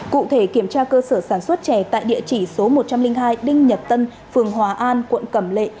cụ thể kiểm tra cơ sở sản xuất chè tại địa chỉ số một trăm linh hai đinh nhật tân phường hòa an quận cẩm lệ